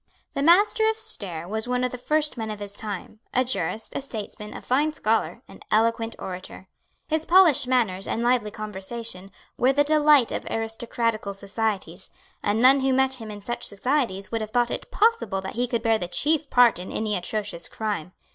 The Master of Stair was one of the first men of his time, a jurist, a statesman, a fine scholar, an eloquent orator. His polished manners and lively conversation were the delight of aristocratical societies; and none who met him in such societies would have thought it possible that he could bear the chief part in any atrocious crime.